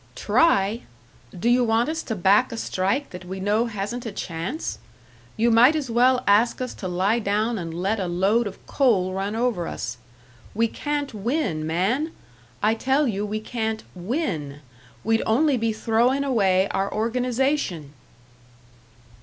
"Try? Do you want us to back a strike that we know hasn't a chance? You might as well ask us to lie down and let a load of coal run over us. We can't win, man! I tell you we can't win! We'd only be throwing away our organisation!"